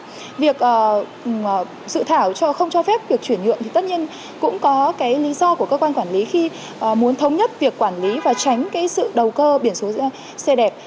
vì vậy việc dự thảo không cho phép việc chuyển nhượng thì tất nhiên cũng có cái lý do của cơ quan quản lý khi muốn thống nhất việc quản lý và tránh cái sự đầu cơ biển số xe đẹp